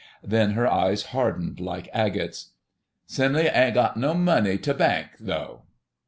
Then her eyes hardened like agates. "Simly yu ain't got no money tu bank, though?"